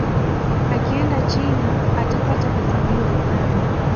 akienda china atapata pesa nyingi sana